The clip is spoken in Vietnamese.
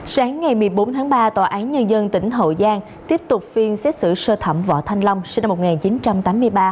sáng ngày một mươi bốn tháng ba tòa án nhân dân tỉnh hậu giang tiếp tục phiên xét xử sơ thẩm võ thanh long sinh năm một nghìn chín trăm tám mươi ba